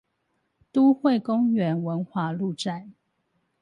都會公園文華路站